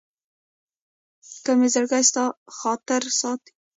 که مي زړګي ستا خاطرې ساتي